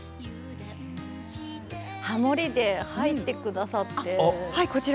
ハモリで入ってくださって。